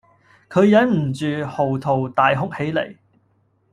佢忍唔住嚎啕大哭起嚟